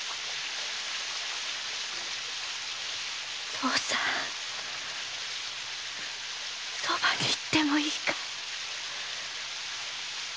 惣さんそばに行ってもいいかい。